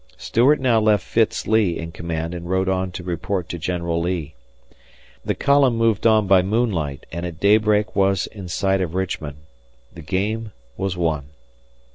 Stuart now left Fitz Lee in command and rode on to report to General Lee. The column moved on by moonlight and at daybreak was in sight of Richmond. The game was won.